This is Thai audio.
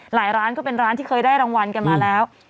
ร้านก็เป็นร้านที่เคยได้รางวัลกันมาแล้ว